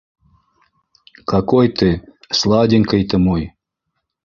Какой ты... сладенький ты мой!